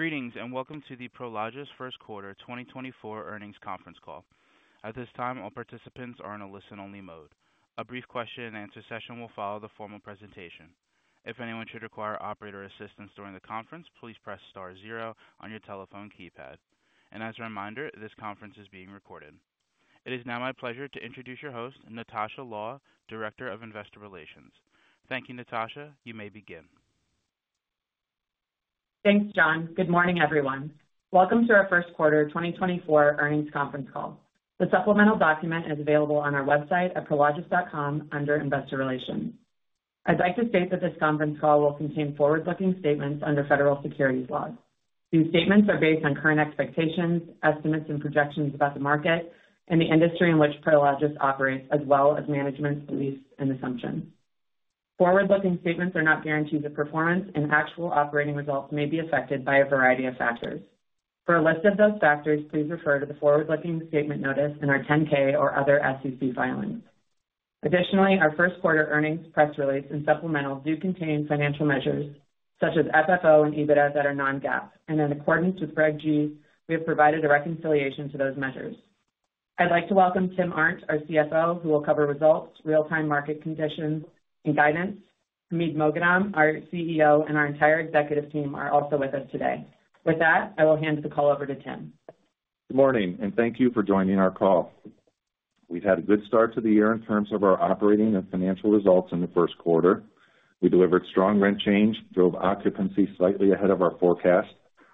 Greetings, and welcome to the Prologis Q1 2024 Earnings Conference Call. At this time, all participants are in a listen-only mode. A brief Q&A session will follow the formal presentation. If anyone should require operator assistance during the conference, please press star zero on your telephone keypad. As a reminder, this conference is being recorded. It is now my pleasure to introduce your host, Natasha Law, Director of Investor Relations. Thank you, Natasha. You may begin. Thanks, John. Good morning, everyone. Welcome to our Q1 2024 earnings conference call. The supplemental document is available on our website at prologis.com under Investor Relations. I'd like to state that this conference call will contain forward-looking statements under federal securities laws. These statements are based on current expectations, estimates, and projections about the market and the industry in which Prologis operates, as well as management's beliefs and assumptions. Forward-looking statements are not guarantees of performance, and actual operating results may be affected by a variety of factors. For a list of those factors, please refer to the forward-looking statement notice in our 10-K or other SEC filings. Additionally, our Q1 earnings press release and supplemental do contain financial measures such as FFO and EBITDA that are non-GAAP, and in accordance with Reg G, we have provided a reconciliation to those measures. I'd like to welcome Tim Arndt, our CFO, who will cover results, real-time market conditions, and guidance. Hamid Moghadam, our CEO, and our entire executive team are also with us today. With that, I will hand the call over to Tim. Good morning, and thank you for joining our call. We've had a good start to the year in terms of our operating and financial results in the Q1. We delivered strong rent change, drove occupancy slightly ahead of our forecast,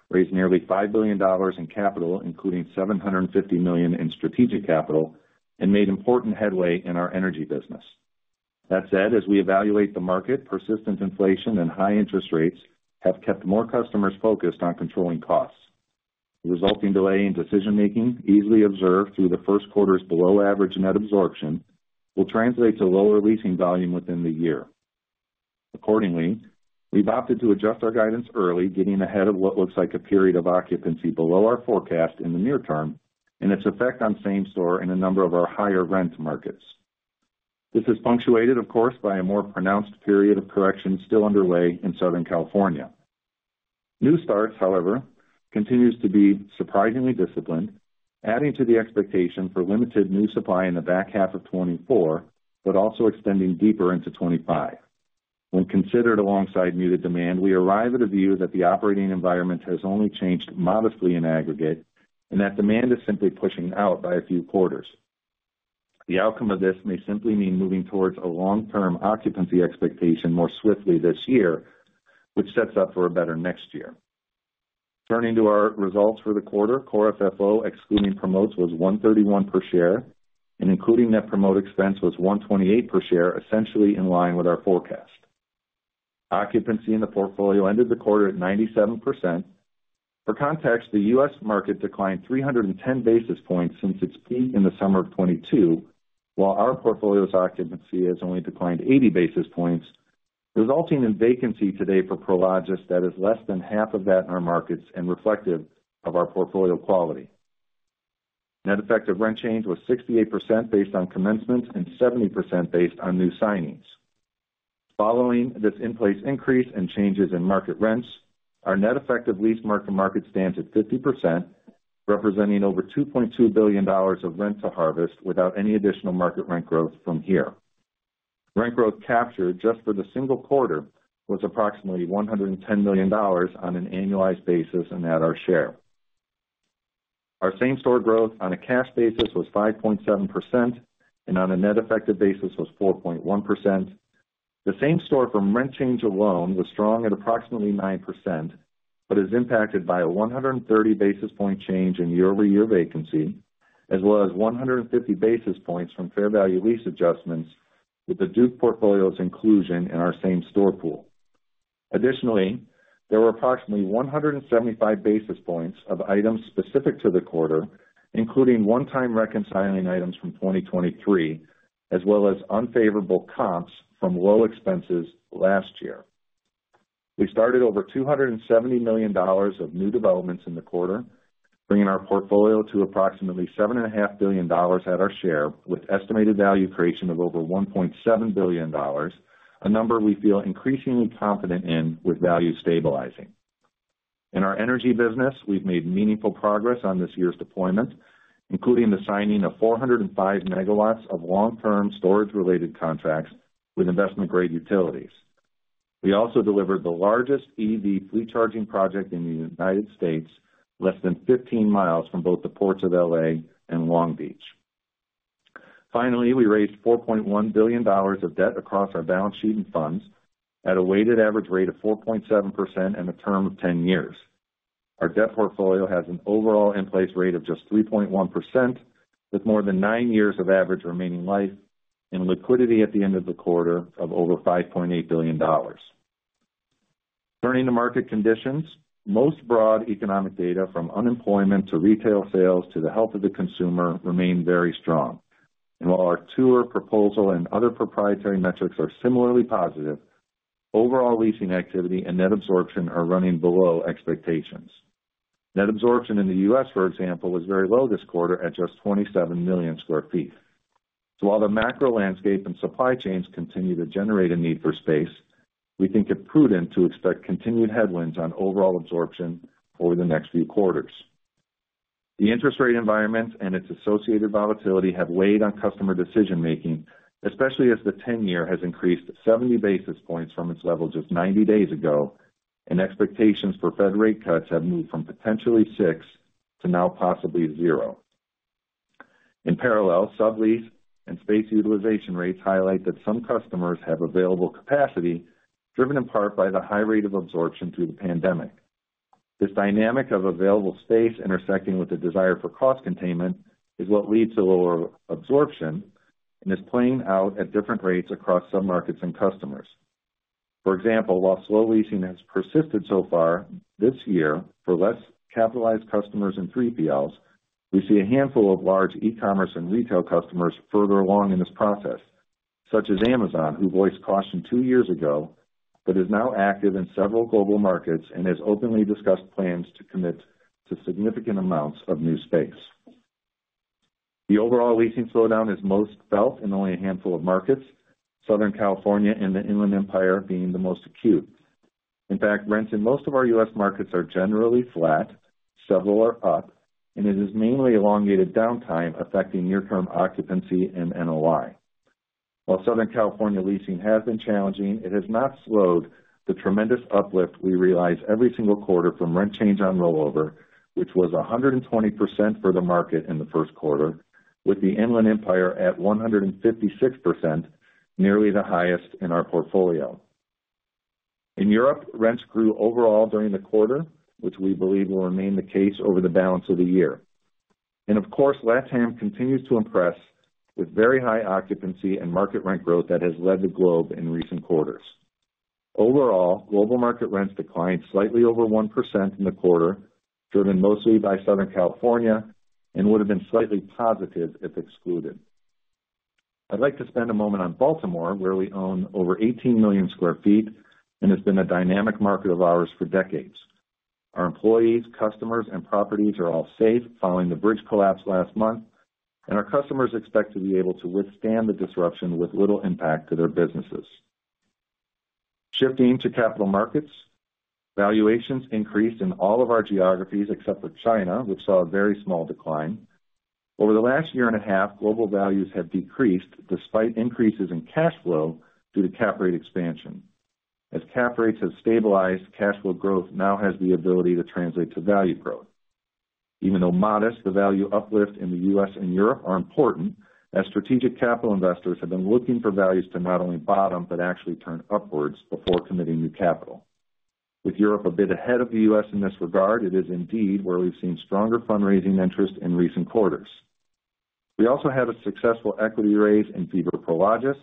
raised nearly $5 billion in capital, including $750 million in strategic capital, and made important headway in our energy business. That said, as we evaluate the market, persistent inflation and high interest rates have kept more customers focused on controlling costs. The resulting delay in decision-making, easily observed through the Q1's below average net absorption, will translate to lower leasing volume within the year. Accordingly, we've opted to adjust our guidance early, getting ahead of what looks like a period of occupancy below our forecast in the near term and its effect on same store in a number of our higher rent markets. This is punctuated, of course, by a more pronounced period of correction still underway in Southern California. New starts, however, continues to be surprisingly disciplined, adding to the expectation for limited new supply in the back half of 2024, but also extending deeper into 2025. When considered alongside muted demand, we arrive at a view that the operating environment has only changed modestly in aggregate and that demand is simply pushing out by a few quarters. The outcome of this may simply mean moving towards a long-term occupancy expectation more swiftly this year, which sets up for a better next year. Turning to our results for the quarter, core FFO, excluding promotes, was 1.31 per share, and including net promote expense, was 1.28 per share, essentially in line with our forecast. Occupancy in the portfolio ended the quarter at 97%. For context, the U.S. market declined 310 basis points since its peak in the summer of 2022, while our portfolio's occupancy has only declined 80 basis points, resulting in vacancy today for Prologis that is less than half of that in our markets and reflective of our portfolio quality. Net effect of rent change was 68% based on commencement and 70% based on new signings. Following this in-place increase and changes in market rents, our net effective lease mark to market stands at 50%, representing over $2.2 billion of rent to harvest without any additional market rent growth from here. Rent growth captured just for the single quarter was approximately $110 million on an annualized basis and at our share. Our same-store growth on a cash basis was 5.7%, and on a net effective basis was 4.1%. The same store from rent change alone was strong at approximately 9%, but is impacted by a 130 basis point change in year-over-year vacancy, as well as 150 basis points from fair value lease adjustments with the Duke portfolio's inclusion in our same-store pool. Additionally, there were approximately 175 basis points of items specific to the quarter, including one-time reconciling items from 2023, as well as unfavorable comps from low expenses last year. We started over $270 million of new developments in the quarter, bringing our portfolio to approximately $7.5 billion at our share, with estimated value creation of over $1.7 billion, a number we feel increasingly confident in, with value stabilizing. In our energy business, we've made meaningful progress on this year's deployment, including the signing of 405 MW of long-term storage-related contracts with investment-grade utilities. We also delivered the largest EV fleet charging project in the United States, less than 15 miles from both the ports of L.A. and Long Beach. Finally, we raised $4.1 billion of debt across our balance sheet and funds at a weighted average rate of 4.7% and a term of 10 years. Our debt portfolio has an overall in-place rate of just 3.1%, with more than 9 years of average remaining life and liquidity at the end of the quarter of over $5.8 billion. Turning to market conditions. Most broad economic data, from unemployment to retail sales to the health of the consumer, remain very strong. And while our tour proposal and other proprietary metrics are similarly positive, overall leasing activity and net absorption are running below expectations. Net absorption in the U.S., for example, was very low this quarter at just 27 million sq ft. So while the macro landscape and supply chains continue to generate a need for space, we think it prudent to expect continued headwinds on overall absorption over the next few quarters. The interest rate environment and its associated volatility have weighed on customer decision making, especially as the 10-year has increased 70 basis points from its level just 90 days ago, and expectations for Fed rate cuts have moved from potentially six to now possibly zero. In parallel, sublease and space utilization rates highlight that some customers have available capacity, driven in part by the high rate of absorption through the pandemic. This dynamic of available space intersecting with the desire for cost containment is what leads to lower absorption and is playing out at different rates across some markets and customers. For example, while slow leasing has persisted so far this year for less capitalized customers and 3PLs, we see a handful of large e-commerce and retail customers further along in this process, such as Amazon, who voiced caution 2 years ago, but is now active in several global markets and has openly discussed plans to commit to significant amounts of new space. The overall leasing slowdown is most felt in only a handful of markets, Southern California and the Inland Empire being the most acute. In fact, rents in most of our U.S. markets are generally flat, several are up, and it is mainly elongated downtime affecting near-term occupancy and NOI. While Southern California leasing has been challenging, it has not slowed the tremendous uplift we realize every single quarter from rent change on rollover, which was 120% for the market in the Q1, with the Inland Empire at 156%, nearly the highest in our portfolio. In Europe, rents grew overall during the quarter, which we believe will remain the case over the balance of the year. And of course, LatAm continues to impress with very high occupancy and market rent growth that has led the globe in recent quarters. Overall, global market rents declined slightly over 1% in the quarter, driven mostly by Southern California, and would have been slightly positive if excluded. I'd like to spend a moment on Baltimore, where we own over 18 million sq ft and has been a dynamic market of ours for decades. Our employees, customers, and properties are all safe following the bridge collapse last month, and our customers expect to be able to withstand the disruption with little impact to their businesses. Shifting to capital markets, valuations increased in all of our geographies except for China, which saw a very small decline. Over the last year and a half, global values have decreased despite increases in cash flow due to cap rate expansion. As cap rates have stabilized, cash flow growth now has the ability to translate to value growth. Even though modest, the value uplift in the U.S. and Europe are important, as strategic capital investors have been looking for values to not only bottom, but actually turn upwards before committing new capital. With Europe a bit ahead of the U.S. in this regard, it is indeed where we've seen stronger fundraising interest in recent quarters. We also had a successful equity raise in FIBRA Prologis,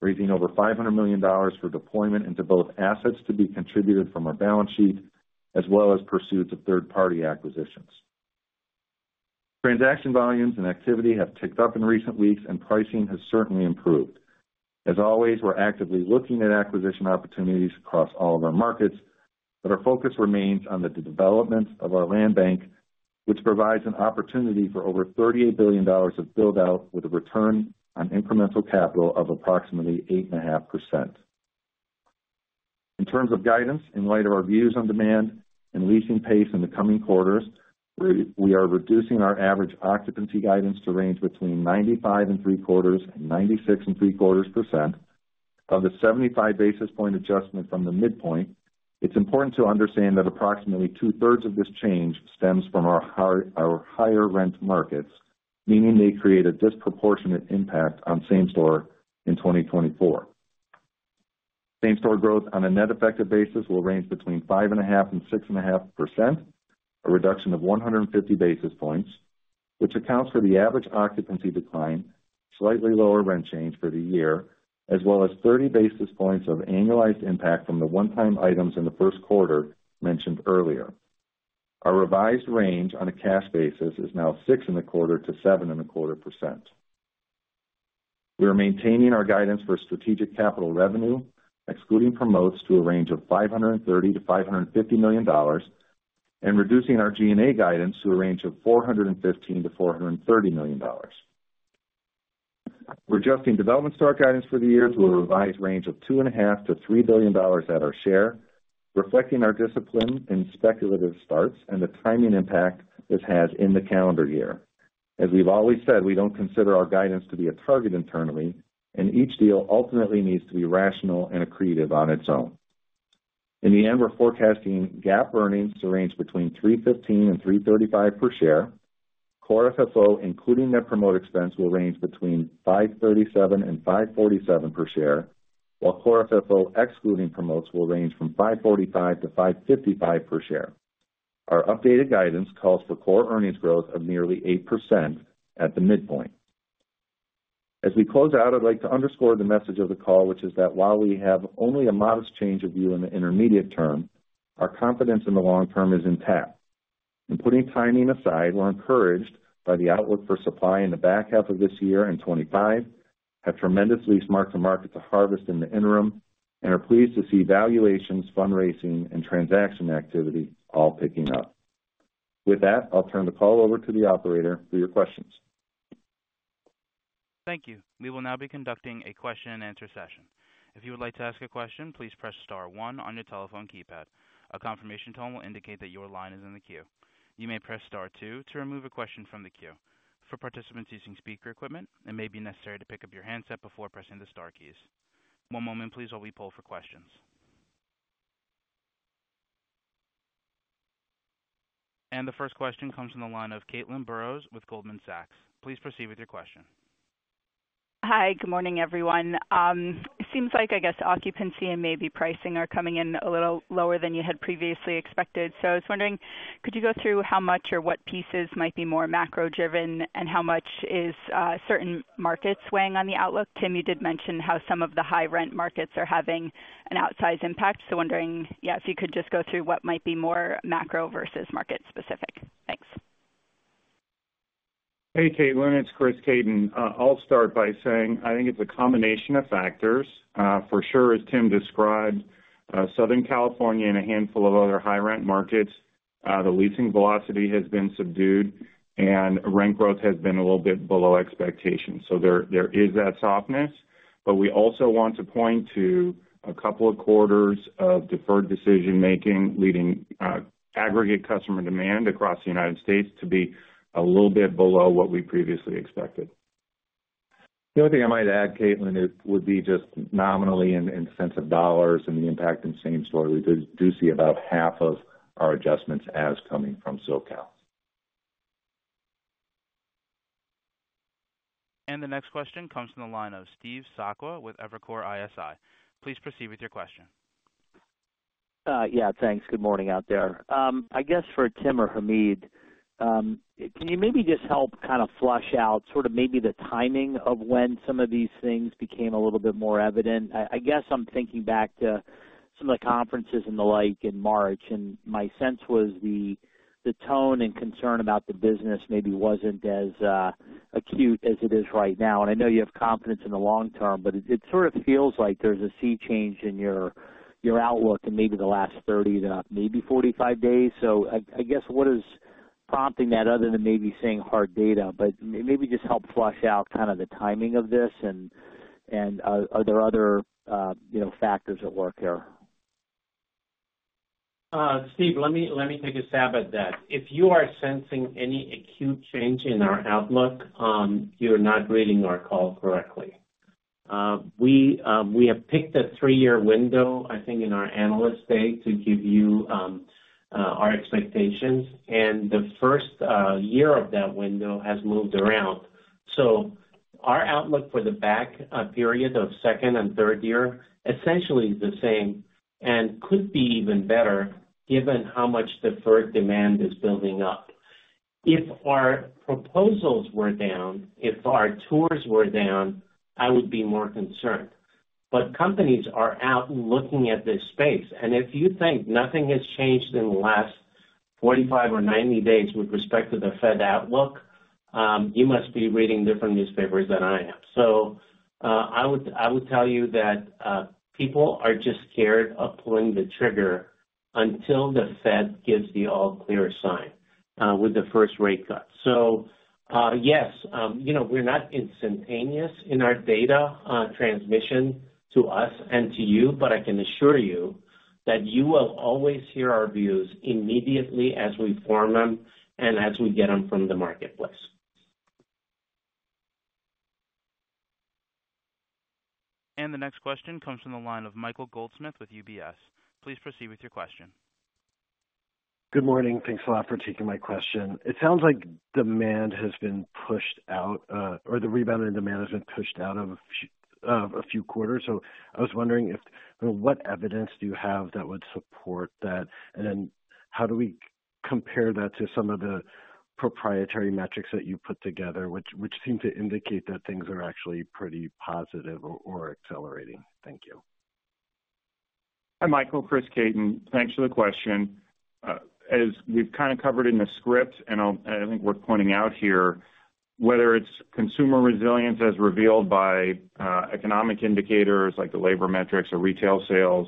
raising over $500 million for deployment into both assets to be contributed from our balance sheet, as well as pursuits of third-party acquisitions. Transaction volumes and activity have ticked up in recent weeks, and pricing has certainly improved. As always, we're actively looking at acquisition opportunities across all of our markets, but our focus remains on the development of our land bank, which provides an opportunity for over $38 billion of build out with a return on incremental capital of approximately 8.5%. In terms of guidance, in light of our views on demand and leasing pace in the coming quarters, we are reducing our average occupancy guidance to range between 95.75% and 96.75%. Of the 75 basis point adjustment from the midpoint, it's important to understand that approximately two-thirds of this change stems from our our higher rent markets, meaning they create a disproportionate impact on same store in 2024. Same-store growth on a net effective basis will range between 5.5% and 6.5%, a reduction of 150 basis points, which accounts for the average occupancy decline, slightly lower rent change for the year, as well as 30 basis points of annualized impact from the one-time items in the Q1 mentioned earlier. Our revised range on a cash basis is now 6.25% to 7.25%. We are maintaining our guidance for strategic capital revenue, excluding promotes, to a range of $530 million to 550 million, and reducing our G&A guidance to a range of $415 million to 430 million. We're adjusting development start guidance for the year to a revised range of $2.5 billion to 3 billion at our share, reflecting our discipline in speculative starts and the timing impact this has in the calendar year. As we've always said, we don't consider our guidance to be a target internally, and each deal ultimately needs to be rational and accretive on its own. In the end, we're forecasting GAAP earnings to range between $3.15 to 3.35 per share. Core FFO, including net promote expense, will range between $5.37 and $5.47 per share, while core FFO, excluding promotes, will range from $5.45 to 5.55 per share. Our updated guidance calls for core earnings growth of nearly 8% at the midpoint. As we close out, I'd like to underscore the message of the call, which is that while we have only a modest change of view in the intermediate term, our confidence in the long term is intact. And putting timing aside, we're encouraged by the outlook for supply in the back half of this year and 2025, have tremendously marked to market to harvest in the interim, and are pleased to see valuations, fundraising, and transaction activity all picking up. With that, I'll turn the call over to the operator for your questions. Thank you. We will now be conducting a Q&A session. If you would like to ask a question, please press star one on your telephone keypad. A confirmation tone will indicate that your line is in the queue. You may press star two to remove a question from the queue. For participants using speaker equipment, it may be necessary to pick up your handset before pressing the star keys. One moment, please, while we poll for questions. The first question comes from the line of Caitlin Burrows with Goldman Sachs. Please proceed with your question. Hi, good morning, everyone. It seems like, I guess, occupancy and maybe pricing are coming in a little lower than you had previously expected. So I was wondering, could you go through how much or what pieces might be more macro-driven and how much is certain markets weighing on the outlook? Tim, you did mention how some of the high rent markets are having an outsized impact. So wondering, yeah, if you could just go through what might be more macro versus market specific. Thanks. Hey, Caitlin, it's Chris Caton. I'll start by saying I think it's a combination of factors. For sure, as Tim described, Southern California and a handful of other high rent markets, the leasing velocity has been subdued and rent growth has been a little bit below expectations. So there, there is that softness. But we also want to point to a couple of quarters of deferred decision-making, leading, aggregate customer demand across the United States to be a little bit below what we previously expected. The only thing I might add, Caitlin, it would be just nominally in sense of dollars and the impact, and same story. We do see about half of our adjustments as coming from SoCal. The next question comes from the line of Steve Sakwa with Evercore ISI. Please proceed with your question. Yeah, thanks. Good morning out there. I guess for Tim or Hamid, can you maybe just help kind of flush out sort of maybe the timing of when some of these things became a little bit more evident? I guess I'm thinking back to some of the conferences and the like in March, and my sense was the tone and concern about the business maybe wasn't as acute as it is right now. And I know you have confidence in the long term, but it sort of feels like there's a sea change in your outlook in maybe the last 30, maybe 45 days. So I guess, what is prompting that, other than maybe seeing hard data, but maybe just help flesh out kind of the timing of this and are there other, you know, factors at work here? Steve, let me take a stab at that. If you are sensing any acute change in our outlook, you're not reading our call correctly. We, we have picked a 3-year window, I think, in our Analyst Day to give you, our expectations, and the first year of that window has moved around. So our outlook for the back period of second and third year, essentially is the same and could be even better, given how much deferred demand is building up. If our proposals were down, if our tours were down, I would be more concerned. But companies are out looking at this space, and if you think nothing has changed in the last 45 or 90 days with respect to the Fed outlook, you must be reading different newspapers than I am. So, I would, I would tell you that people are just scared of pulling the trigger until the Fed gives the all-clear sign with the first rate cut. So, yes, you know, we're not instantaneous in our data on transmission to us and to you, but I can assure you that you will always hear our views immediately as we form them and as we get them from the marketplace. The next question comes from the line of Michael Goldsmith with UBS. Please proceed with your question. Good morning. Thanks a lot for taking my question. It sounds like demand has been pushed out, or the rebound in demand has been pushed out of a few, a few quarters. So I was wondering if what evidence do you have that would support that? And then how do we compare that to some of the proprietary metrics that you put together, which, which seem to indicate that things are actually pretty positive or accelerating? Thank you. Hi, Michael. Chris Caton. Thanks for the question. As we've kind of covered in the script, and I think worth pointing out here, whether it's consumer resilience as revealed by economic indicators like the labor metrics or retail sales,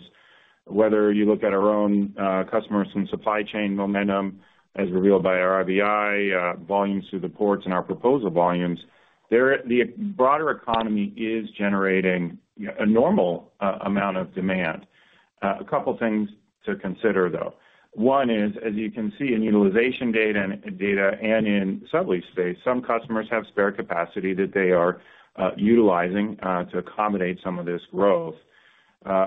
whether you look at our own customers from supply chain momentum as revealed by our IBI, volumes through the ports and our proposal volumes, the broader economy is generating a normal amount of demand. A couple things to consider, though. One is, as you can see in utilization data and in sublease space, some customers have spare capacity that they are utilizing to accommodate some of this growth.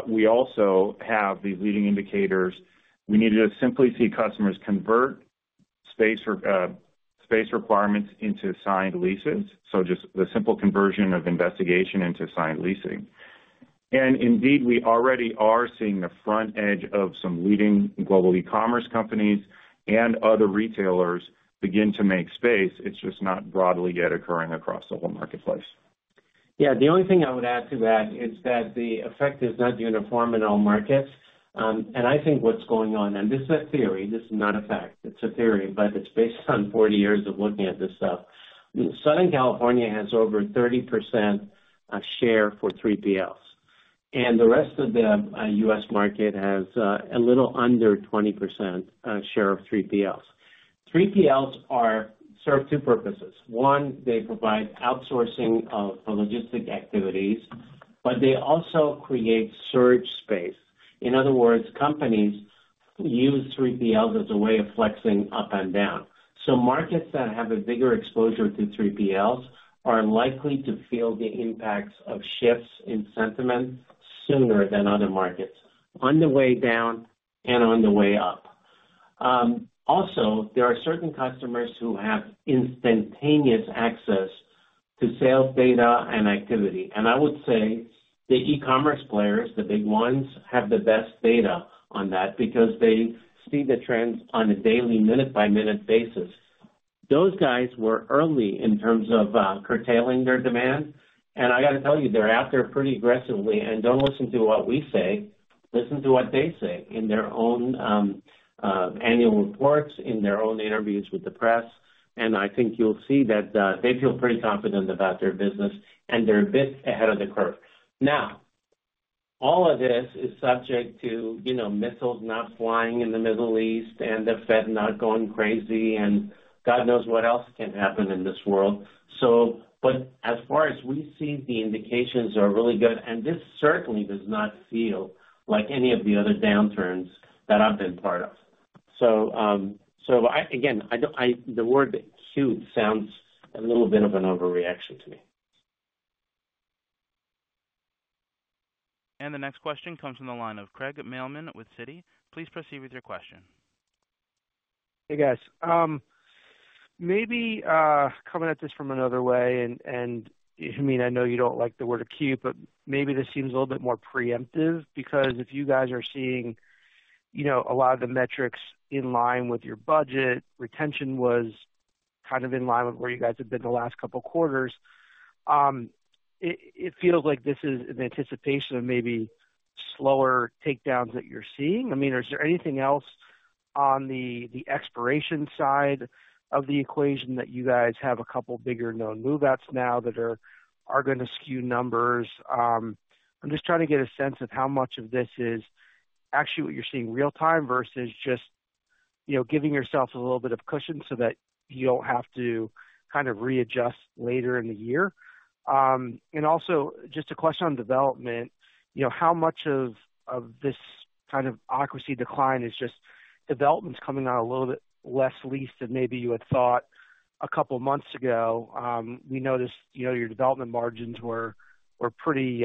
We also have these leading indicators. We need to simply see customers convert space requirements into signed leases, so just the simple conversion of investigation into signed leasing. And indeed, we already are seeing the front edge of some leading global e-commerce companies and other retailers begin to make space. It's just not broadly yet occurring across the whole marketplace. Yeah, the only thing I would add to that is that the effect is not uniform in all markets. And I think what's going on, and this is a theory, this is not a fact, it's a theory, but it's based on 40 years of looking at this stuff. Southern California has over 30% share for 3PLs. And the rest of the U.S. market has a little under 20% share of 3PLs. 3PLs serve two purposes: one, they provide outsourcing of the logistics activities, but they also create surge space. In other words, companies use 3PLs as a way of flexing up and down. So markets that have a bigger exposure to 3PLs are likely to feel the impacts of shifts in sentiment sooner than other markets, on the way down and on the way up. Also, there are certain customers who have instantaneous access to sales data and activity, and I would say the e-commerce players, the big ones, have the best data on that because they see the trends on a daily, minute-by-minute basis. Those guys were early in terms of curtailing their demand, and I got to tell you, they're out there pretty aggressively. And don't listen to what we say, listen to what they say in their own annual reports, in their own interviews with the press, and I think you'll see that they feel pretty confident about their business and they're a bit ahead of the curve. Now, all of this is subject to, you know, missiles not flying in the Middle East and the Fed not going crazy, and God knows what else can happen in this world. So but as far as we see, the indications are really good, and this certainly does not feel like any of the other downturns that I've been part of. So, again, I don't, the word acute sounds a little bit of an overreaction to me. The next question comes from the line of Craig Mailman with Citi. Please proceed with your question. Hey, guys. Maybe coming at this from another way, and I mean, I know you don't like the word acute, but maybe this seems a little bit more preemptive, because if you guys are seeing, you know, a lot of the metrics in line with your budget, retention was kind of in line with where you guys have been the last couple of quarters. It feels like this is an anticipation of maybe slower takedowns that you're seeing. I mean, is there anything else on the expiration side of the equation that you guys have a couple bigger known move-outs now that are gonna skew numbers? I'm just trying to get a sense of how much of this is actually what you're seeing real-time versus just, you know, giving yourself a little bit of cushion so that you don't have to kind of readjust later in the year. And also, just a question on development. You know, how much of this kind of occupancy decline is just developments coming out a little bit less leased than maybe you had thought a couple of months ago? We noticed, you know, your development margins were pretty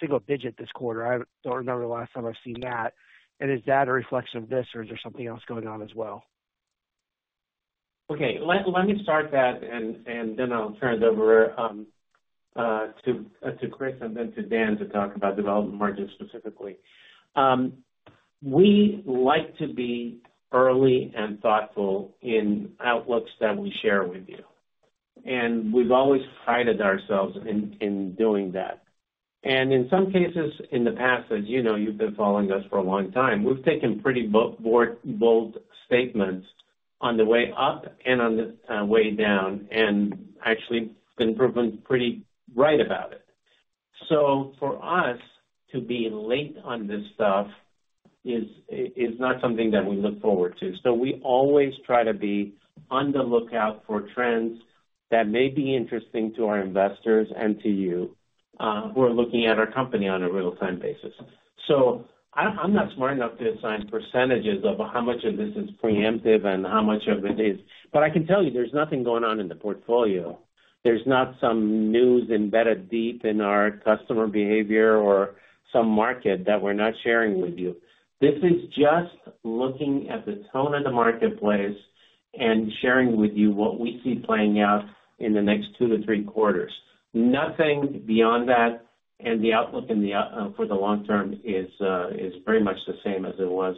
single-digit this quarter. I don't remember the last time I've seen that. And is that a reflection of this, or is there something else going on as well? Okay, let me start that and then I'll turn it over to Chris and then to Dan to talk about development margins specifically. We like to be early and thoughtful in outlooks that we share with you, and we've always prided ourselves in doing that. And in some cases in the past, as you know, you've been following us for a long time, we've taken pretty bold statements on the way up and on the way down, and actually been proven pretty right about it. So for us to be late on this stuff is not something that we look forward to. So we always try to be on the lookout for trends that may be interesting to our investors and to you who are looking at our company on a real-time basis. So I'm, I'm not smart enough to assign percentages of how much of this is preemptive and how much of it is. But I can tell you there's nothing going on in the portfolio. There's not some news embedded deep in our customer behavior or some market that we're not sharing with you. This is just looking at the tone of the marketplace and sharing with you what we see playing out in the next two to three quarters. Nothing beyond that, and the outlook in the out-, for the long term is, is very much the same as it was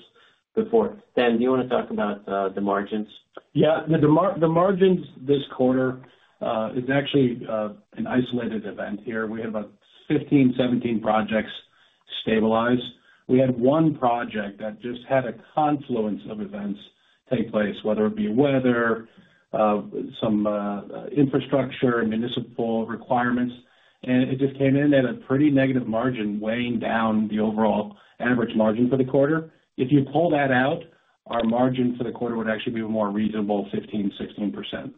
before. Dan, do you want to talk about, the margins? Yeah. The margins this quarter is actually an isolated event here. We had about 15 to 17 projects stabilize. We had one project that just had a confluence of events take place, whether it be weather, some infrastructure, municipal requirements, and it just came in at a pretty negative margin, weighing down the overall average margin for the quarter. If you pull that out, our margin for the quarter would actually be a more reasonable 15% to 16%.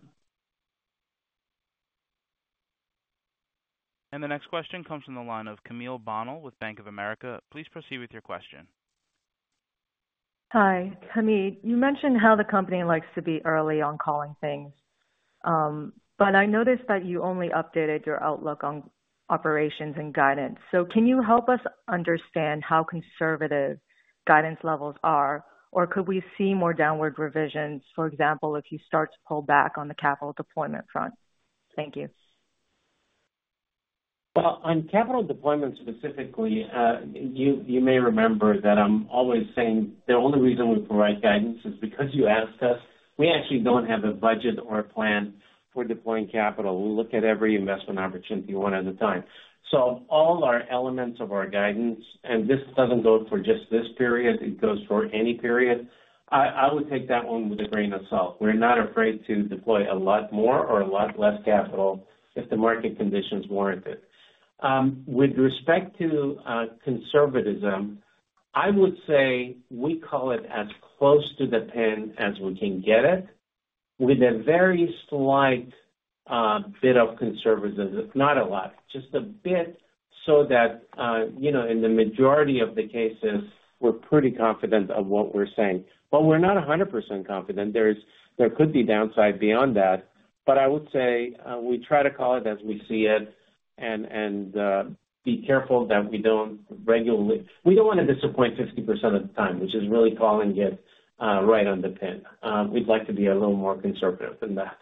The next question comes from the line of Camille Bonnel with Bank of America. Please proceed with your question. Hi, Camille. You mentioned how the company likes to be early on calling things, but I noticed that you only updated your outlook on operations and guidance. So can you help us understand how conservative guidance levels are? Or could we see more downward revisions, for example, if you start to pull back on the capital deployment front? Thank you. Well, on capital deployment specifically, you may remember that I'm always saying the only reason we provide guidance is because you asked us. We actually don't have a budget or a plan for deploying capital. We look at every investment opportunity one at a time. So all our elements of our guidance, and this doesn't go for just this period, it goes for any period, I would take that one with a grain of salt. We're not afraid to deploy a lot more or a lot less capital if the market conditions warrant it. With respect to conservatism, I would say we call it as close to the pin as we can get it, with a very slight bit of conservatism. Not a lot, just a bit, so that, you know, in the majority of the cases, we're pretty confident of what we're saying. But we're not 100% confident. There could be downside beyond that. But I would say, we try to call it as we see it and, be careful that we don't want to disappoint 50% of the time, which is really calling it right on the pin. We'd like to be a little more conservative than that.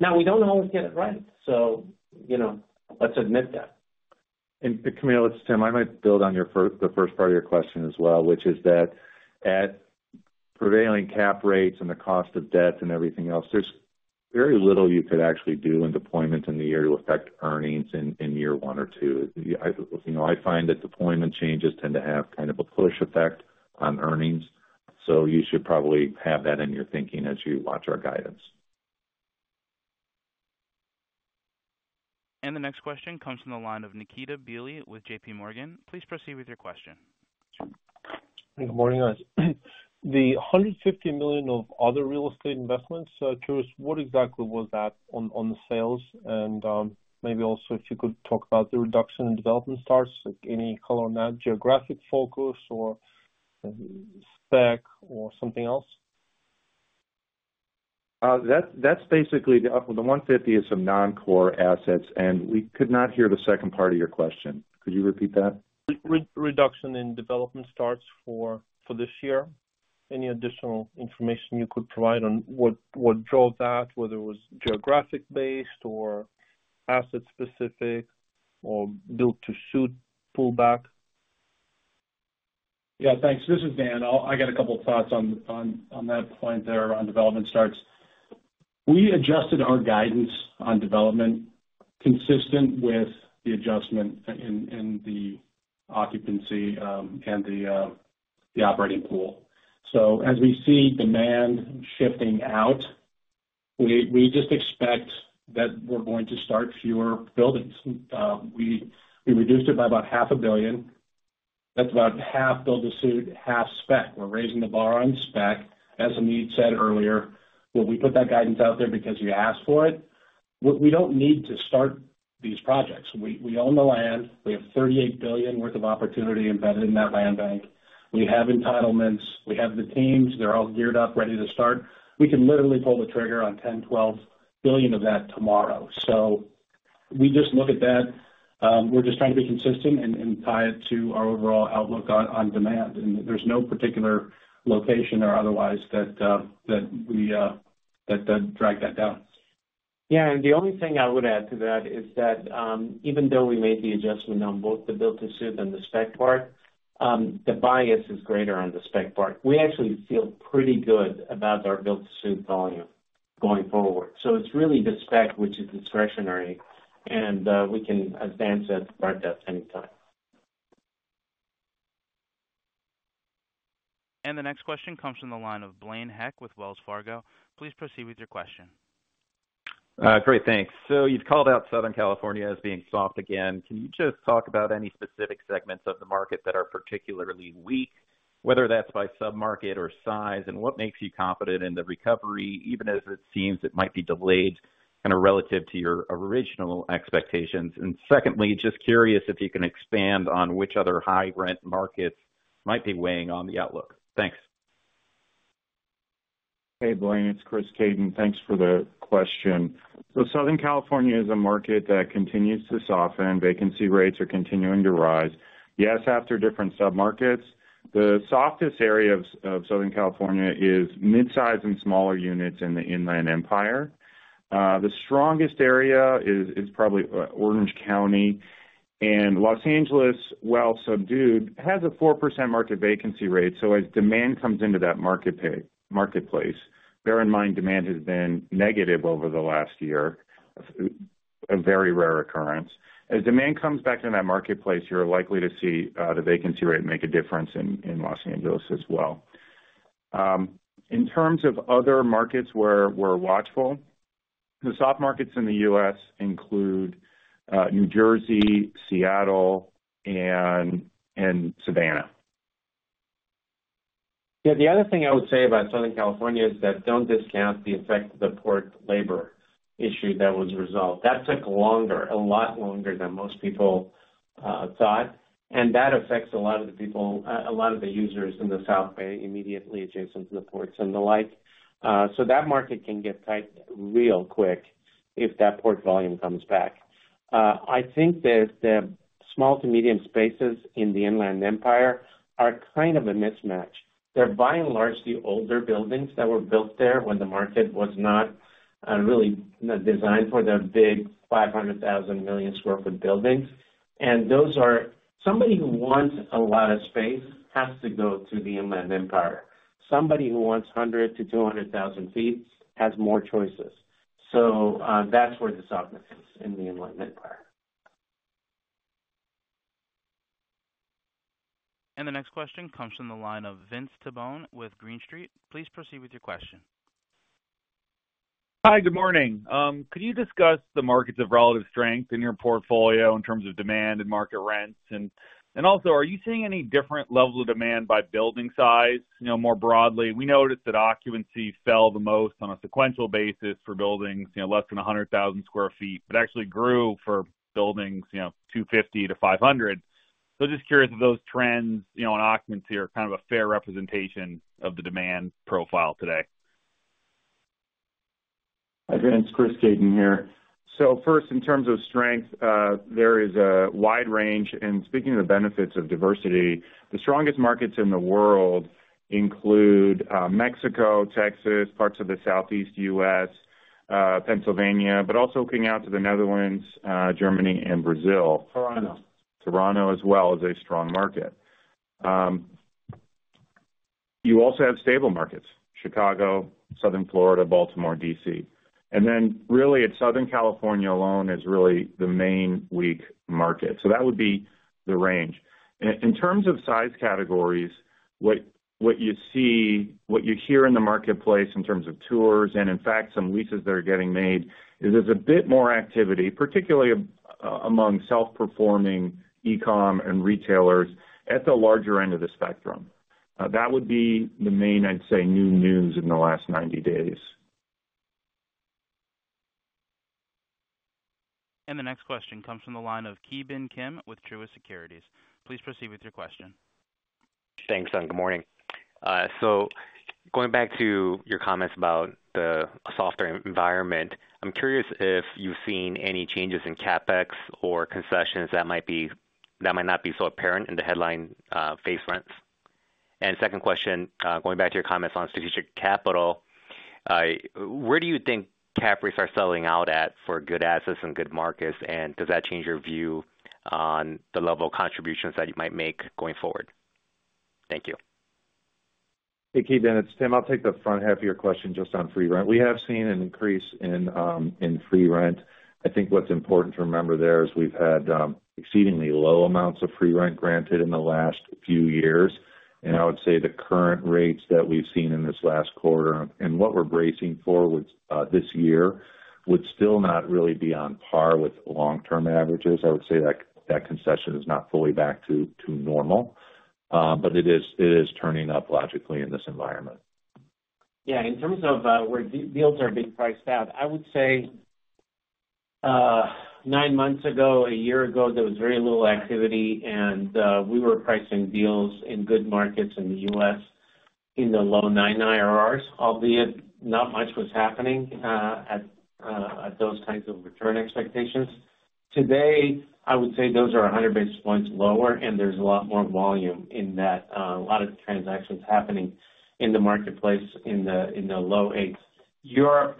Now, we don't always get it right, so, you know, let's admit that. Camille, it's Tim. I might build on your first, the first part of your question as well, which is that at prevailing cap rates and the cost of debt and everything else, there's very little you could actually do in deployment in the year to affect earnings in year one or two. You know, I find that deployment changes tend to have kind of a push effect on earnings, so you should probably have that in your thinking as you watch our guidance. The next question comes from the line of Nikita Belyi with JPMorgan. Please proceed with your question. Good morning, guys. The $150 million of other real estate investments, curious, what exactly was that on, on the sales? Maybe also, if you could talk about the reduction in development starts, any color on that geographic focus or spec or something else? That's, that's basically the. The 150 is some non-core assets, and we could not hear the second part of your question. Could you repeat that? Reduction in development starts for this year. Any additional information you could provide on what drove that, whether it was geographic-based or asset-specific or built to suit pullback? Yeah, thanks. This is Dan. I got a couple of thoughts on that point there around development starts. We adjusted our guidance on development consistent with the adjustment in the occupancy and the operating pool. So as we see demand shifting out, we just expect that we're going to start fewer buildings. We reduced it by about $500 million. That's about half build-to-suit, half spec. We're raising the bar on spec. As Amit said earlier, well, we put that guidance out there because you asked for it. We don't need to start these projects. We own the land. We have $38 billion worth of opportunity embedded in that land bank. We have entitlements, we have the teams. They're all geared up, ready to start. We can literally pull the trigger on $10 billion to 12 billion of that tomorrow. So we just look at that, we're just trying to be consistent and tie it to our overall outlook on demand, and there's no particular location or otherwise that drags that down. Yeah, and the only thing I would add to that is that, even though we made the adjustment on both the build-to-suit and the spec part, the bias is greater on the spec part. We actually feel pretty good about our build-to-suit volume going forward. So it's really the spec, which is discretionary, and, we can advance that part at any time. The next question comes from the line of Blaine Heck with Wells Fargo. Please proceed with your question. Great, thanks. So you've called out Southern California as being soft again. Can you just talk about any specific segments of the market that are particularly weak, whether that's by sub-market or size? And what makes you confident in the recovery, even as it seems it might be delayed, kind of, relative to your original expectations? And secondly, just curious if you can expand on which other high-rent markets might be weighing on the outlook. Thanks. Hey, Blaine, it's Chris Caton. Thanks for the question. So Southern California is a market that continues to soften. Vacancy rates are continuing to rise. Yes, after different submarkets, the softest area of Southern California is midsize and smaller units in the Inland Empire. The strongest area is probably Orange County, and Los Angeles, while subdued, has a 4% market vacancy rate. So as demand comes into that marketplace, bear in mind, demand has been negative over the last year, a very rare occurrence. As demand comes back into that marketplace, you're likely to see the vacancy rate make a difference in Los Angeles as well. In terms of other markets where we're watchful, the soft markets in the U.S. include New Jersey, Seattle, and Savannah. Yeah, the other thing I would say about Southern California is that don't discount the effect of the port labor issue that was resolved. That took longer, a lot longer than most people thought, and that affects a lot of the people, a lot of the users in the South Bay, immediately adjacent to the ports and the like. So that market can get tight real quick if that port volume comes back. I think that the small to medium spaces in the Inland Empire are kind of a mismatch. They're by and large, the older buildings that were built there when the market was not really designed for the big 500,000- to 1 million-sq ft buildings. And those are... Somebody who wants a lot of space has to go to the Inland Empire. Somebody who wants 100, 000 to 200,000 sq ft has more choices. So, that's where the softness is, in the Inland Empire. The next question comes from the line of Vince Tibone with Green Street. Please proceed with your question. Hi, good morning. Could you discuss the markets of relative strength in your portfolio in terms of demand and market rents? And also, are you seeing any different level of demand by building size? You know, more broadly, we noticed that occupancy fell the most on a sequential basis for buildings, you know, less than 100,000 sq ft, but actually grew for buildings, you know, 250 to 500. So just curious if those trends, you know, and occupancy are kind of a fair representation of the demand profile today. Hi, Vince, it's Chris Caton here. So first, in terms of strength, there is a wide range, and speaking of the benefits of diversity, the strongest markets in the world include Mexico, Texas, parts of the Southeast U.S., Pennsylvania, but also looking out to the Netherlands, Germany, and Brazil. Toronto. Toronto as well, is a strong market. You also have stable markets, Chicago, Southern Florida, Baltimore, DC, and then really, it's Southern California alone is really the main weak market. So that would be the range. In terms of size categories, what you see. what you hear in the marketplace in terms of tours, and in fact, some leases that are getting made, is there's a bit more activity, particularly among self-performing e-com and retailers at the larger end of the spectrum. That would be the main, I'd say, new news in the last 90 days. The next question comes from the line of Ki Bin Kim with Truist Securities. Please proceed with your question. Thanks, and good morning. So going back to your comments about the softer environment, I'm curious if you've seen any changes in CapEx or concessions that might be, that might not be so apparent in the headline, face rents? And second question, going back to your comments on strategic capital, where do you think cap rates are selling out at for good assets and good markets? And does that change your view on the level of contributions that you might make going forward? Thank you. Hey, Ki, Dan, it's Tim. I'll take the front half of your question just on free rent. We have seen an increase in free rent. I think what's important to remember there is we've had exceedingly low amounts of free rent granted in the last few years, and I would say the current rates that we've seen in this last quarter and what we're bracing for with this year would still not really be on par with long-term averages. I would say that concession is not fully back to normal, but it is turning up logically in this environment. Yeah, in terms of where deals are being priced out, I would say 9 months ago, a year ago, there was very little activity and we were pricing deals in good markets in the U.S. in the low nine IRRs, albeit not much was happening at those types of return expectations. Today, I would say those are 100 basis points lower, and there's a lot more volume in that, a lot of transactions happening in the marketplace in the low eights. Europe,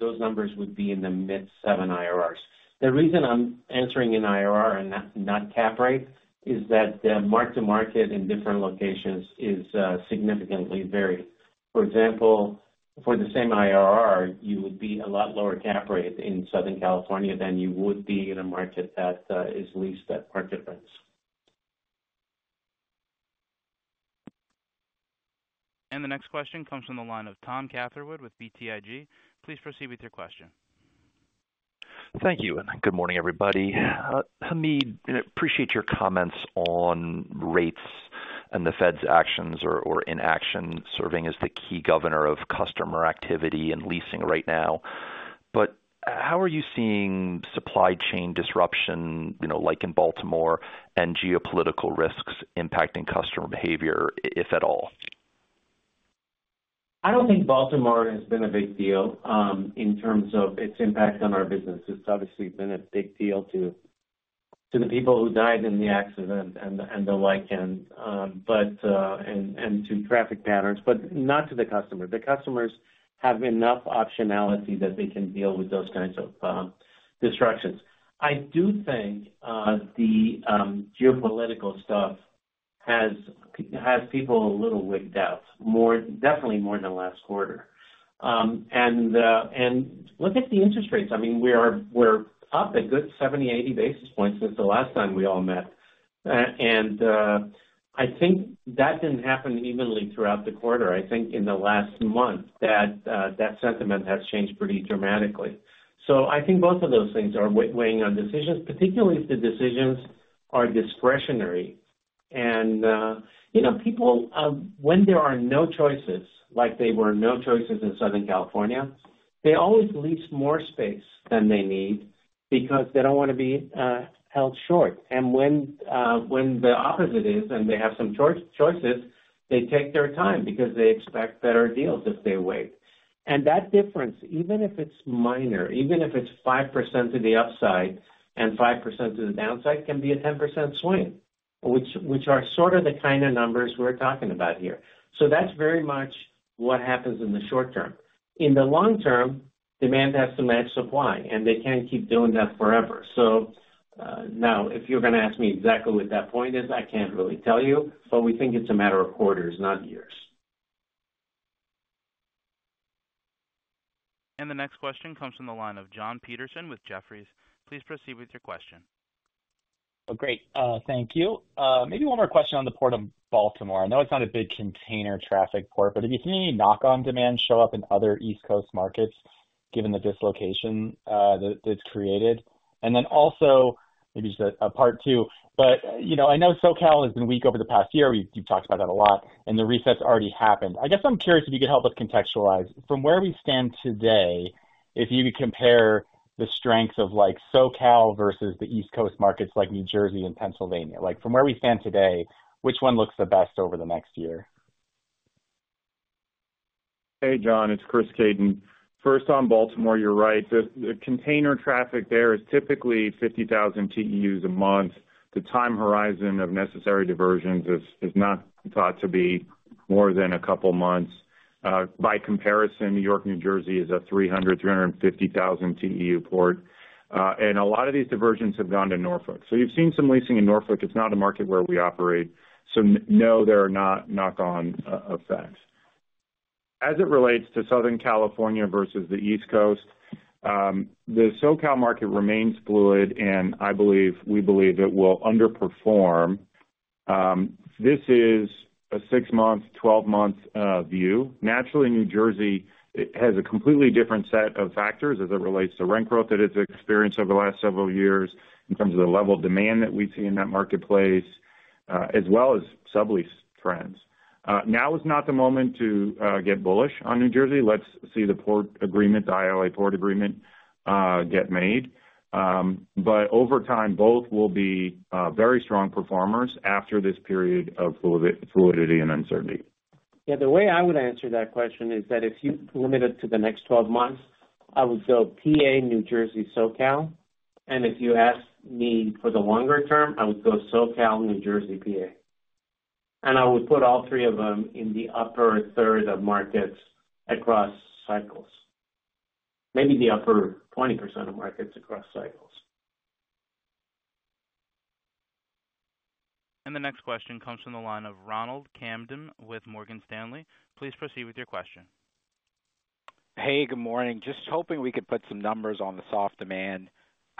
those numbers would be in the mid-7 IRRs. The reason I'm answering in IRR and not cap rate is that the mark-to-market in different locations is significantly varied. For example, for the same IRR, you would be a lot lower cap rate in Southern California than you would be in a market that is leased at market rates. The next question comes from the line of Tom Catherwood with BTIG. Please proceed with your question. Thank you, and good morning, everybody. Hamid, appreciate your comments on rates and the Fed's actions or inaction, serving as the key governor of customer activity and leasing right now. But how are you seeing supply chain disruption, you know, like in Baltimore, and geopolitical risks impacting customer behavior, if at all? I don't think Baltimore has been a big deal in terms of its impact on our business. It's obviously been a big deal to the people who died in the accident and the like, and to traffic patterns, but not to the customer. The customers have enough optionality that they can deal with those kinds of disruptions. I do think the geopolitical stuff has people a little wigged out, more, definitely more than last quarter. And look at the interest rates. I mean, we're up a good 70 to 80 basis points since the last time we all met. I think that didn't happen evenly throughout the quarter. I think in the last month that sentiment has changed pretty dramatically. So I think both of those things are weighing on decisions, particularly if the decisions are discretionary. And you know, people, when there are no choices, like there were no choices in Southern California, they always lease more space than they need because they don't want to be held short. And when the opposite is and they have some choices, they take their time because they expect better deals if they wait. And that difference, even if it's minor, even if it's 5% to the upside and 5% to the downside, can be a 10% swing, which are sort of the kind of numbers we're talking about here. So that's very much what happens in the short term. In the long term, demand has to match supply, and they can't keep doing that forever. Now, if you're gonna ask me exactly what that point is, I can't really tell you, but we think it's a matter of quarters, not years. The next question comes from the line of Jon Petersen with Jefferies. Please proceed with your question. Oh, great. Thank you. Maybe one more question on the Port of Baltimore. I know it's not a big container traffic port, but have you seen any knock-on demand show up in other East Coast markets given the dislocation that that's created? And then also, maybe just a part two, but you know, I know SoCal has been weak over the past year. We've, you've talked about that a lot, and the recession already happened. I guess I'm curious if you could help us contextualize, from where we stand today, if you could compare the strengths of, like, SoCal versus the East Coast markets, like New Jersey and Pennsylvania. Like, from where we stand today, which one looks the best over the next year? Hey, Jon, it's Chris Caton. First, on Baltimore, you're right. The container traffic there is typically 50,000 TEUs a month. The time horizon of necessary diversions is not thought to be more than a couple months. By comparison, New York, New Jersey is a 350,000 TEU port. And a lot of these diversions have gone to Norfolk. So you've seen some leasing in Norfolk. It's not a market where we operate, so no, there are not knock-on effects. As it relates to Southern California versus the East Coast, the SoCal market remains fluid, and I believe, we believe it will underperform. This is a 6-month, 12-month view. Naturally, New Jersey, it has a completely different set of factors as it relates to rent growth that it's experienced over the last several years, in terms of the level of demand that we see in that marketplace, as well as sublease trends. Now is not the moment to get bullish on New Jersey. Let's see the port agreement, the ILA port agreement, get made. But over time, both will be very strong performers after this period of fluidity and uncertainty. Yeah, the way I would answer that question is that if you limit it to the next 12 months, I would go PA, New Jersey, SoCal, and if you ask me for the longer term, I would go SoCal, New Jersey, PA. And I would put all three of them in the upper third of markets across cycles. Maybe the upper 20% of markets across cycles. The next question comes from the line of Ronald Kamdem with Morgan Stanley. Please proceed with your question. Hey, good morning. Just hoping we could put some numbers on the soft demand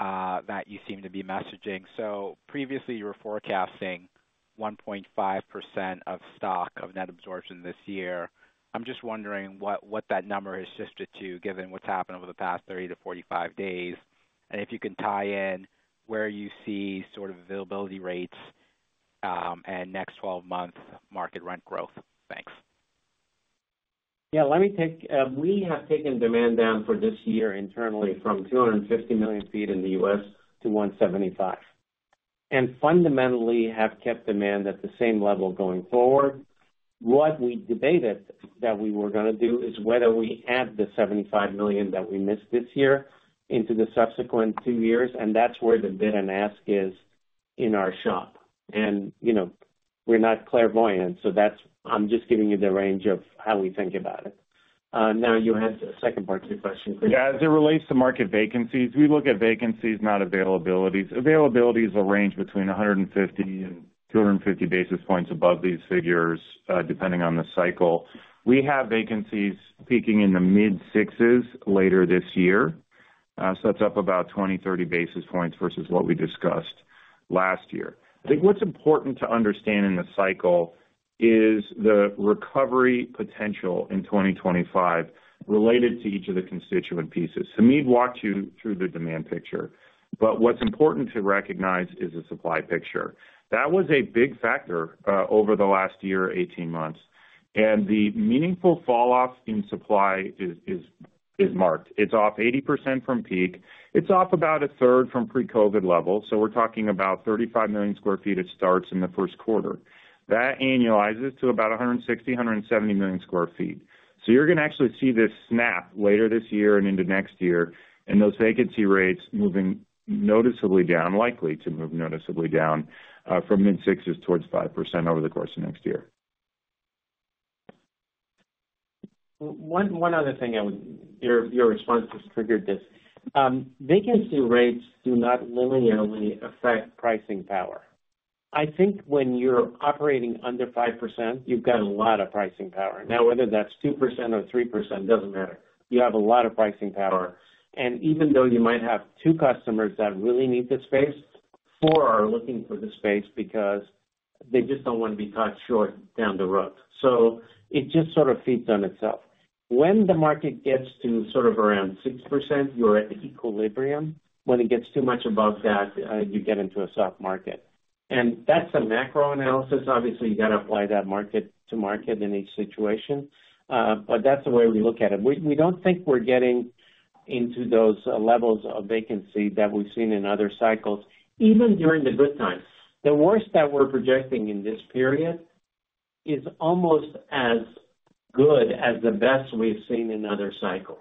that you seem to be messaging. So previously, you were forecasting 1.5% of stock of net absorption this year. I'm just wondering what, what that number has shifted to, given what's happened over the past 30 to 45 days, and if you can tie in where you see sort of availability rates, and next 12-month market rent growth. Thanks. Yeah, let me take. We have taken demand down for this year internally from 250 million feet in the US to 175, and fundamentally have kept demand at the same level going forward. What we debated that we were gonna do is whether we add the 75 million that we missed this year into the subsequent 2 years, and that's where the bid and ask is in our shop. And, you know, we're not clairvoyant, so that's. I'm just giving you the range of how we think about it. Now, you had a second part to your question, please. Yeah, as it relates to market vacancies, we look at vacancies, not availabilities. Availabilities will range between 150 and 250 basis points above these figures, depending on the cycle. We have vacancies peaking in the mid-sixes later this year. So that's up about 20-30 basis points versus what we discussed last year. I think what's important to understand in the cycle is the recovery potential in 2025 related to each of the constituent pieces. d walked you through the demand picture, but what's important to recognize is the supply picture. That was a big factor over the last year, 18 months, and the meaningful falloff in supply is marked. It's off 80% from peak. It's off about a third from pre-COVID levels, so we're talking about 35 million sq ft of starts in the Q1. That annualizes to about 160-170 million sq ft. So you're gonna actually see this snap later this year and into next year, and those vacancy rates moving noticeably down, likely to move noticeably down, from mid-6% towards 5% over the course of next year. One other thing I would. Your response just triggered this. Vacancy rates do not linearly affect pricing power. I think when you're operating under 5%, you've got a lot of pricing power. Now, whether that's 2% or 3% doesn't matter. You have a lot of pricing power, and even though you might have two customers that really need the space, four are looking for the space because they just don't want to be caught short down the road. So it just sort of feeds on itself. When the market gets to sort of around 6%, you're at equilibrium. When it gets too much above that, you get into a soft market. That's a macro analysis. Obviously, you got to apply that market to market in each situation, but that's the way we look at it. We, we don't think we're getting into those levels of vacancy that we've seen in other cycles, even during the good times. The worst that we're projecting in this period is almost as good as the best we've seen in other cycles.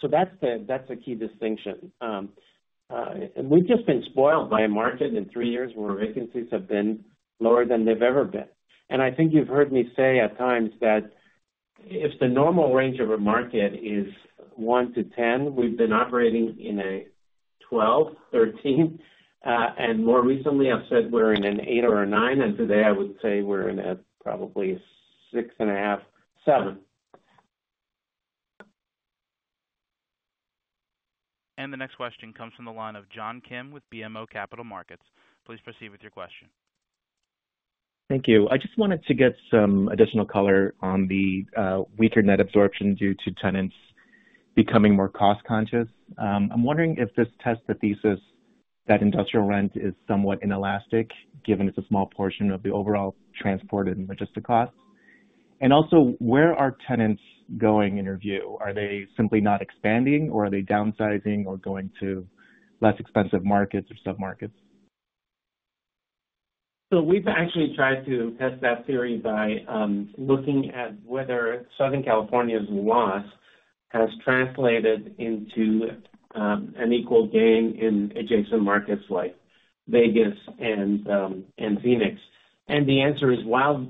So that's the, that's the key distinction. And we've just been spoiled by a market in 3 years where vacancies have been lower than they've ever been. And I think you've heard me say at times that if the normal range of a market is one to 10, we've been operating in a 12, 13, and more recently, I've said we're in an eight or a nine, and today I would say we're in a probably six point five, seven. And the next question comes from the line of John Kim with BMO Capital Markets. Please proceed with your question. Thank you. I just wanted to get some additional color on the weaker net absorption due to tenants becoming more cost conscious. I'm wondering if this tests the thesis that industrial rent is somewhat inelastic, given it's a small portion of the overall transport and logistics costs. And also, where are tenants going in your view? Are they simply not expanding, or are they downsizing or going to less expensive markets or submarkets? So we've actually tried to test that theory by looking at whether Southern California's loss has translated into an equal gain in adjacent markets like Vegas and Phoenix. And the answer is, while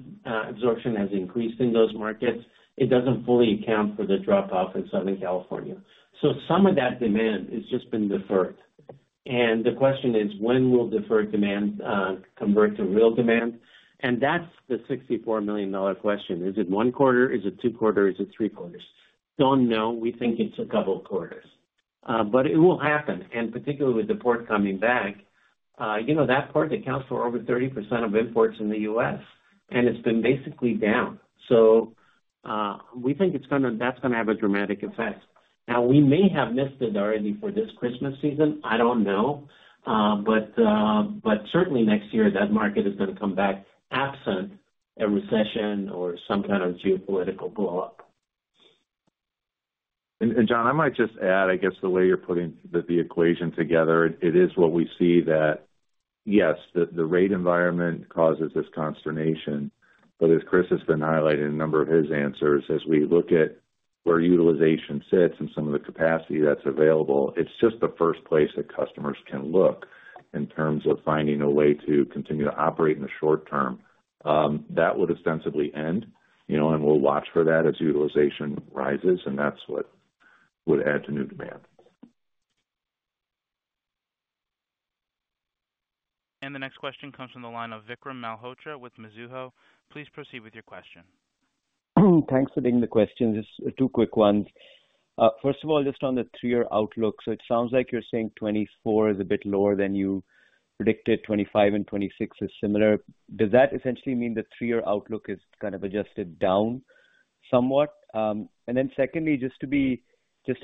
absorption has increased in those markets, it doesn't fully account for the drop off in Southern California. So some of that demand has just been deferred. And the question is: When will deferred demand convert to real demand? And that's the $64 million dollar question. Is it one quarter? Is it two quarter? Is it three quarters? Don't know. We think it's a couple of quarters. But it will happen, and particularly with the port coming back, you know, that port accounts for over 30% of imports in the U.S., and it's been basically down. So we think it's gonna, that's gonna have a dramatic effect. Now, we may have missed it already for this Christmas season. I don't know. But certainly next year, that market is gonna come back, absent a recession or some kind of geopolitical blow up. John, I might just add, I guess, the way you're putting the equation together, it is what we see that, yes, the rate environment causes this consternation. But as Chris has been highlighting a number of his answers, as we look at where utilization sits and some of the capacity that's available, it's just the first place that customers can look in terms of finding a way to continue to operate in the short term. That would ostensibly end, you know, and we'll watch for that as utilization rises, and that's what would add to new demand. The next question comes from the line of Vikram Malhotra with Mizuho. Please proceed with your question. Thanks for taking the question. Just two quick ones. First of all, just on the 3-year outlook. So it sounds like you're saying 2024 is a bit lower than you predicted, 2025 and 2026 is similar. Does that essentially mean the 3-year outlook is kind of adjusted down somewhat? And then secondly, just to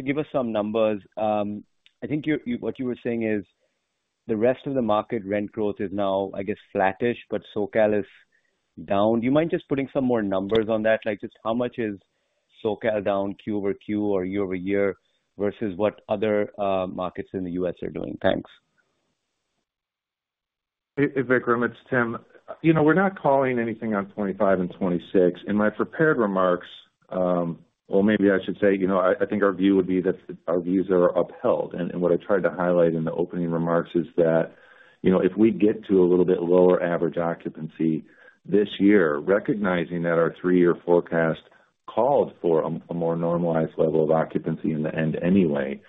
give us some numbers, I think you're, what you were saying is, the rest of the market rent growth is now, I guess, flattish, but SoCal is down. Do you mind just putting some more numbers on that? Like, just how much is SoCal down quarter-over-quarter or year-over-year, versus what other markets in the U.S. are doing? Thanks. Hey, Vikram, it's Tim. You know, we're not calling anything on 25 and 26. In my prepared remarks, well, maybe I should say, you know, I think our view would be that our views are upheld. And what I tried to highlight in the opening remarks is that, you know, if we get to a little bit lower average occupancy this year, recognizing that our 3-year forecast called for a more normalized level of occupancy in the end anyway,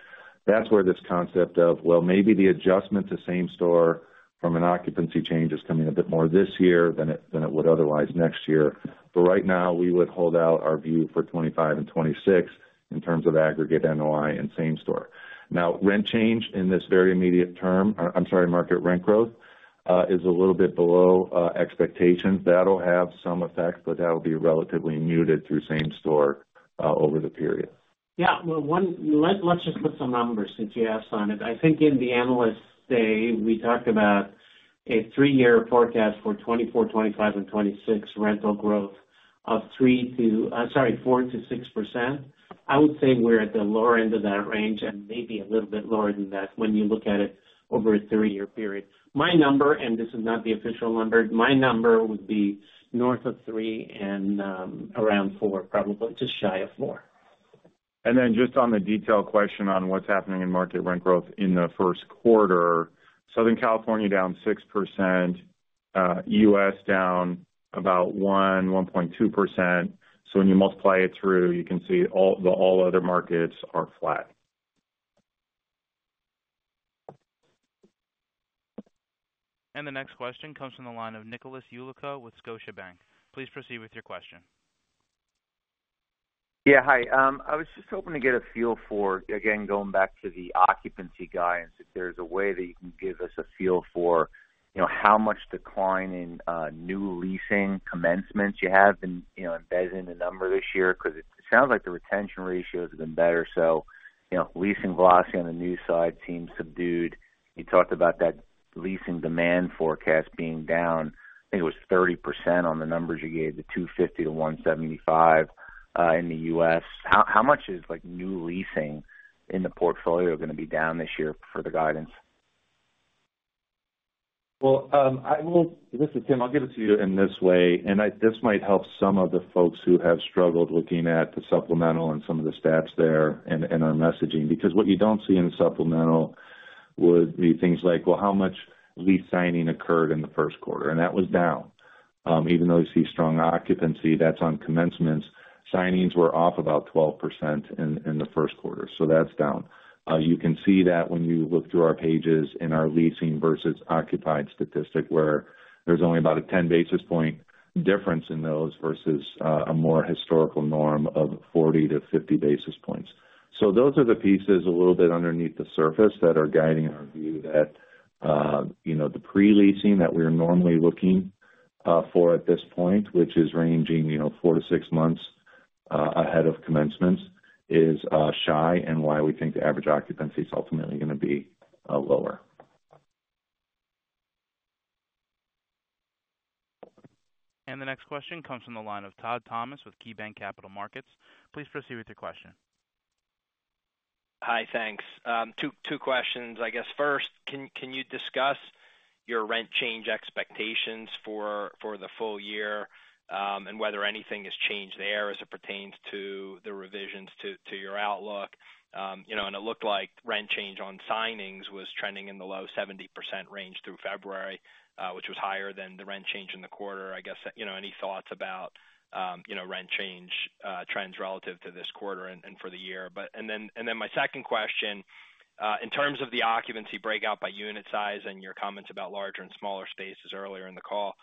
that's where this concept of, well, maybe the adjustment to same store from an occupancy change is coming a bit more this year than it would otherwise next year. But right now, we would hold out our view for 25 and 26 in terms of aggregate NOI and same store. Now, rent change in this very immediate term, I'm sorry, market rent growth, is a little bit below expectations. That'll have some effect, but that will be relatively muted through same store, over the period. Yeah, well, let's just put some numbers, since you asked on it. I think in the Analyst Day, we talked about a 3-year forecast for 2024, 2025 and 2026 rental growth of three to, sorry, 4%-6%. I would say we're at the lower end of that range and maybe a little bit lower than that when you look at it over a 3-year period. My number, and this is not the official number, my number would be north of 3% and around 4%, probably just shy of 4%. And then just on the detailed question on what's happening in market rent growth in the Q1, Southern California, down 6%, US, down about 1.2%. So when you multiply it through, you can see all the other markets are flat. The next question comes from the line of Nicholas Yulico with Scotiabank. Please proceed with your question. Yeah. Hi, I was just hoping to get a feel for, again, going back to the occupancy guidance, if there's a way that you can give us a feel for, you know, how much decline in new leasing commencements you have been, you know, embedded in the number this year, because it sounds like the retention ratio has been better. So, you know, leasing velocity on the new side seems subdued. You talked about that leasing demand forecast being down, I think it was 30% on the numbers you gave, the 250 to 175 in the US. How much is like, new leasing in the portfolio gonna be down this year for the guidance? Well, this is Tim. I'll give it to you in this way, and this might help some of the folks who have struggled looking at the supplemental and some of the stats there and our messaging, because what you don't see in the supplemental would be things like: Well, how much lease signing occurred in the Q1? And that was down. Even though you see strong occupancy, that's on commencements. Signings were off about 12% in the Q1, so that's down. You can see that when you look through our pages in our leasing versus occupied statistic, where there's only about a 10 basis point difference in those versus a more historical norm of 40 to 50 basis points. So those are the pieces a little bit underneath the surface that are guiding our view. that, you know, the pre-leasing that we're normally looking for at this point, which is ranging, you know, 4 to 6 months ahead of commencements, is shy and why we think the average occupancy is ultimately gonna be lower. The next question comes from the line of Todd Thomas with KeyBanc Capital Markets. Please proceed with your question. Hi, thanks. Two questions. I guess, first, can you discuss your rent change expectations for the full year, and whether anything has changed there as it pertains to the revisions to your outlook? You know, and it looked like rent change on signings was trending in the low 70% range through February, which was higher than the rent change in the quarter. I guess, you know, any thoughts about, you know, rent change trends relative to this quarter and for the year? But, and then my second question, in terms of the occupancy breakout by unit size and your comments about larger and smaller spaces earlier in the call,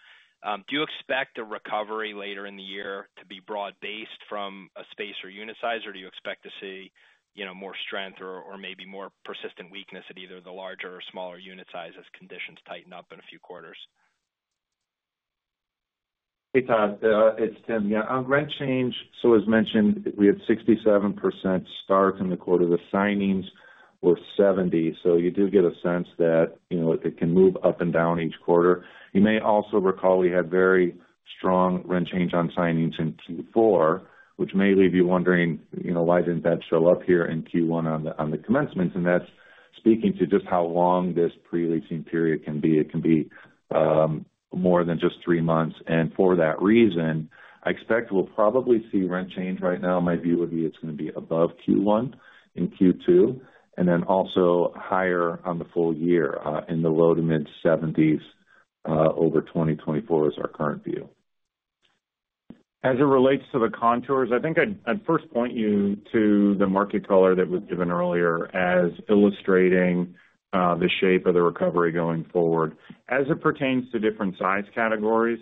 do you expect a recovery later in the year to be broad-based from a space or unit size? Or do you expect to see, you know, more strength or, or maybe more persistent weakness at either the larger or smaller unit size as conditions tighten up in a few quarters? Hey, Todd, it's Tim. Yeah, on rent change, so as mentioned, we had 67% start in the quarter. The signings were 70, so you do get a sense that, you know, it can move up and down each quarter. You may also recall we had very strong rent change on signings in Q4, which may leave you wondering, you know, why didn't that show up here in Q1 on the commencements? And that's speaking to just how long this pre-leasing period can be. It can be more than just 3 months, and for that reason, I expect we'll probably see rent change right now. My view would be it's gonna be above Q1 and Q2, and then also higher on the full year in the low-to-mid 70s over 2024 is our current view. As it relates to the contours, I think I'd first point you to the market color that was given earlier as illustrating the shape of the recovery going forward. As it pertains to different size categories,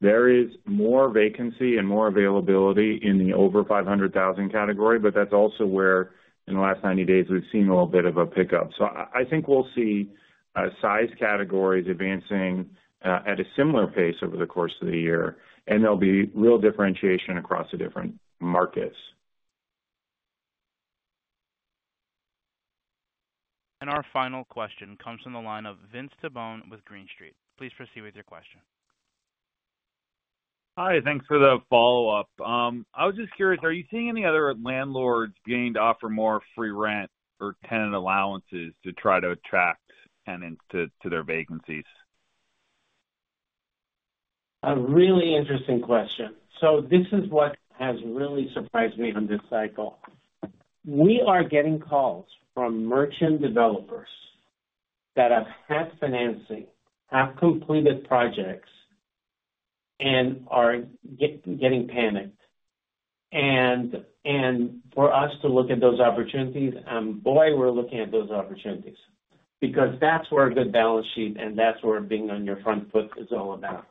there is more vacancy and more availability in the over 500,000 category, but that's also where, in the last 90 days, we've seen a little bit of a pickup. So I think we'll see size categories advancing at a similar pace over the course of the year, and there'll be real differentiation across the different markets. Our final question comes from the line of Vince Tibone with Green Street. Please proceed with your question. Hi, thanks for the follow-up. I was just curious, are you seeing any other landlords beginning to offer more free rent or tenant allowances to try to attract tenants to their vacancies? A really interesting question. So this is what has really surprised me on this cycle. We are getting calls from merchant developers that have had financing, have completed projects, and are getting panicked. And for us to look at those opportunities, boy, we're looking at those opportunities! Because that's where a good balance sheet and that's where being on your front foot is all about.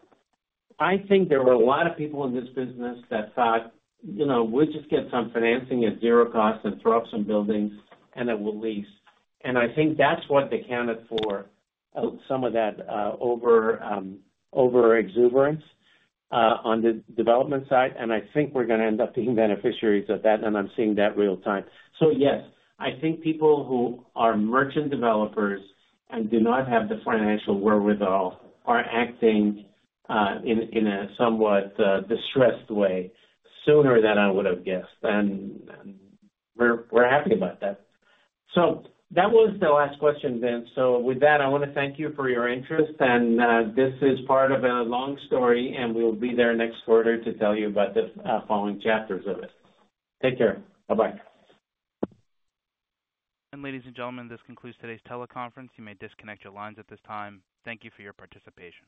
I think there were a lot of people in this business that thought, "You know, we'll just get some financing at zero cost and throw up some buildings, and then we'll lease." And I think that's what accounted for some of that overexuberance on the development side. And I think we're gonna end up being beneficiaries of that, and I'm seeing that real time. So yes, I think people who are merchant developers and do not have the financial wherewithal are acting in a somewhat distressed way sooner than I would've guessed, and we're happy about that. So that was the last question, Vince. So with that, I wanna thank you for your interest, and this is part of a long story, and we'll be there next quarter to tell you about the following chapters of it. Take care. Bye-bye. Ladies and gentlemen, this concludes today's teleconference. You may disconnect your lines at this time. Thank you for your participation.